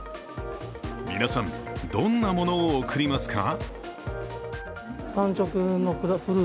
皆さん、どんなものを贈りますか。